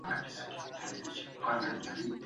لويس د نومونو توپیر ته ارزښت نه ورکوي.